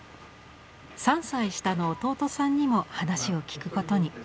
３歳下の弟さんにも話を聞くことに。